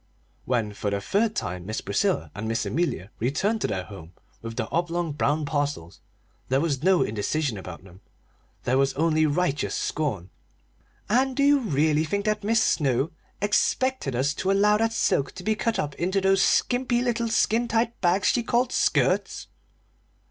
When for the third time Miss Priscilla and Miss Amelia returned to their home with the oblong brown parcels there was no indecision about them; there was only righteous scorn. "And do you really think that Mis' Snow expected us to allow that silk to be cut up into those skimpy little skin tight bags she called skirts?"